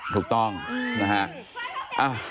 ถูกต้องนะฮะ